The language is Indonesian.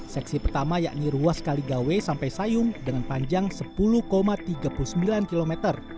seksi pertama yakni ruas kaligawe sampai sayung dengan panjang sepuluh tiga puluh sembilan km